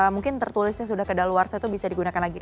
mungkin tertulisnya sudah kedaluarsa itu bisa digunakan lagi